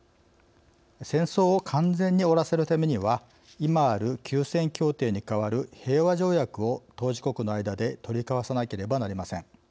戦争を完全に終わらせるためには今ある休戦協定に代わる平和条約を当事国の間で取り交わさなければなりません。